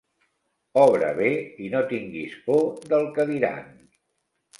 Obra bé i no tinguis por del que diran.